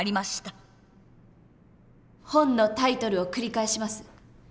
本のタイトルを繰り返します。